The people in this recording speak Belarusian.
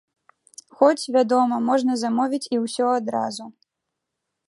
Хоць, вядома, можна замовіць і ўсё адразу.